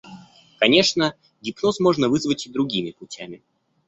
Конечно, гипноз можно вызвать и другими путями.